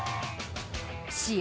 試合